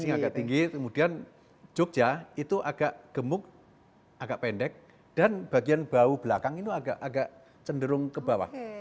masih agak tinggi kemudian jogja itu agak gemuk agak pendek dan bagian bau belakang itu agak cenderung ke bawah